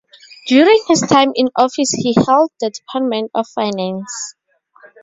During his time in office he held the Department of Finance.